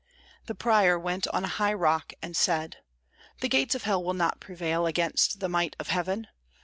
The prior went on a high rock and said, "The gates of hell will not prevail against the might of heaven.